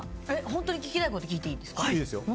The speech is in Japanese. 本当に聞きたいこと聞いていいですか？